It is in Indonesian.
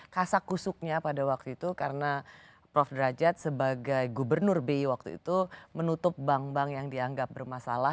kasakusuknya pada waktu itu karena prof derajat sebagai gubernur bi waktu itu menutup bank bank yang dianggap bermasalah